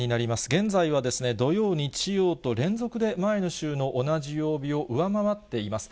現在はですね、土曜、日曜と、連続で前の週の同じ曜日を上回っています。